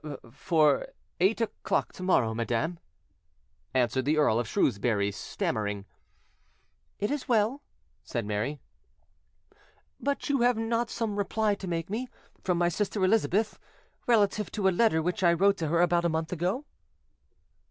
"For eight o'clock to morrow, madam," answered the Earl of Shrewsbury, stammering. "It is well," said Mary; "but have you not some reply to make me, from my sister Elizabeth, relative to a letter which I wrote to her about a month ago?"